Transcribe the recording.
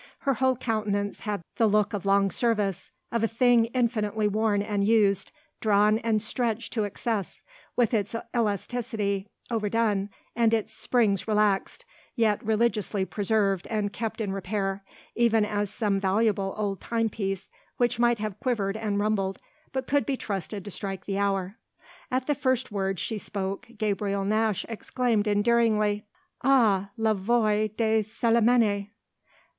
Her whole countenance had the look of long service of a thing infinitely worn and used, drawn and stretched to excess, with its elasticity overdone and its springs relaxed, yet religiously preserved and kept in repair, even as some valuable old timepiece which might have quivered and rumbled but could be trusted to strike the hour. At the first words she spoke Gabriel Nash exclaimed endearingly: _"Ah la voix de Célimène!"